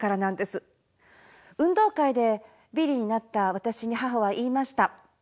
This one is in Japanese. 運動会でビリになった私に母は言いました。